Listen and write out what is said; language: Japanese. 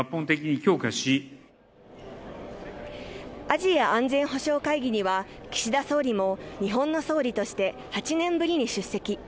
アジア安全保障会議には岸田総理も日本の総理として８年ぶりに出席。